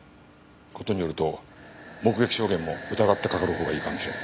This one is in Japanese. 事によると目撃証言も疑ってかかるほうがいいかもしれん。